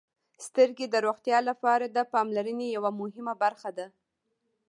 • سترګې د روغتیا لپاره د پاملرنې یوه مهمه برخه ده.